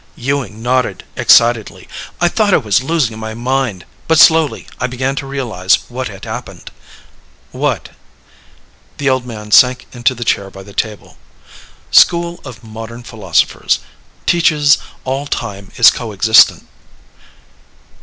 Ewing nodded excitedly. "I thought I was losing my mind. But, slowly, I began to realize what had happened." "What?" The old man sank into the chair by the table. "School of modern philosophers ... teaches all time is co existent."